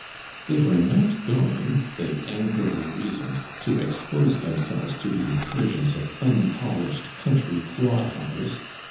" 'i'hey were not going," they angrily reasoned, "to expose themselves to the incursions of unpolishe*!, country clodhoppers.